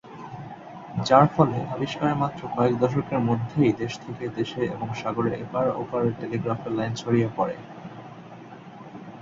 যার ফলে আবিস্কারের মাত্র কয়েক দশকের মধ্যেই দেশ থেকে দেশে এবং সাগরের এপার-ওপারে টেলিগ্রাফের লাইন ছড়িয়ে পড়ে।